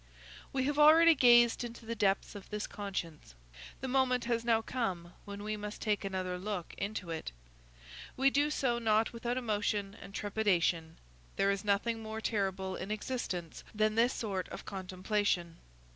We have already gazed into the depths of this conscience; the moment has now come when we must take another look into it. We do so not without emotion and trepidation. There is nothing more terrible in existence than this sort of contemplation.